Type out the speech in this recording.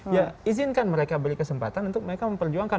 ya izinkan mereka beri kesempatan untuk mereka memperjuangkan